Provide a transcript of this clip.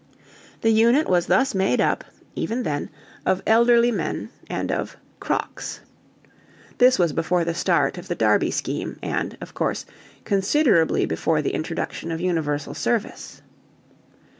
The unit was thus made up, even then, of elderly men and of "crocks." (This was before the start of the Derby Scheme and, of course, considerably before the introduction of Universal Service.)